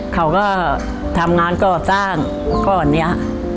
เขาก็ทำงานจ้างก่อนเนี่ย